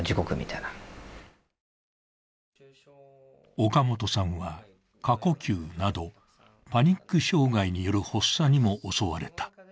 オカモトさんは過呼吸などパニック障害による発作にも襲われた。